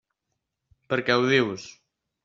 Per què ho dius?